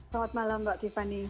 selamat malam mbak tiffany